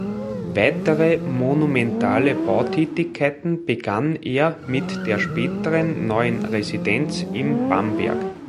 Weitere monumentale Bautätigkeiten begann er mit der späteren Neuen Residenz in Bamberg.